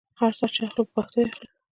هر ساه چې اخلو دې په پښتو اخلو.